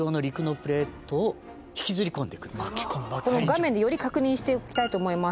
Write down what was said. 画面で確認しておきたいと思います。